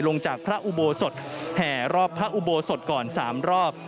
ลงจากพระอุโบสถแห่รอบพระอุโบสถก่อน๓รอบ